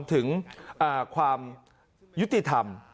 ถึงความยุติธรรม